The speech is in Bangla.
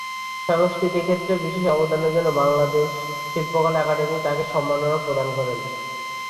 সংস্কৃতি ক্ষেত্রে বিশেষ অবদানের জন্য বাংলাদেশ শিল্পকলা একাডেমী তাকে সম্মাননা প্রদান করে।